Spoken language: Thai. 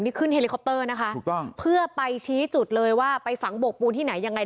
นี่ขึ้นเฮลิคอปเตอร์นะคะถูกต้องเพื่อไปชี้จุดเลยว่าไปฝังโบกปูนที่ไหนยังไง